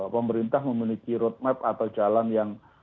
pemerintah memiliki roadmap atau jalan yang